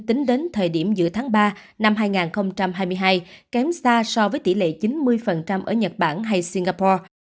tính đến thời điểm giữa tháng ba năm hai nghìn hai mươi hai kém xa so với tỷ lệ chín mươi ở nhật bản hay singapore